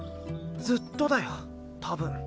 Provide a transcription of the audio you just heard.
ずっとだよ多分。